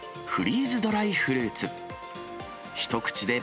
フリーズドライフルーツ。